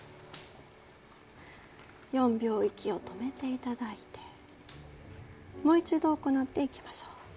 ４秒息を止めていただいてもう一度行っていきましょう。